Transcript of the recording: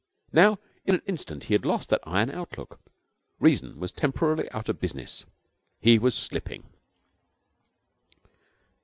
Now in an instant he had lost that iron outlook. Reason was temporarily out of business. He was slipping.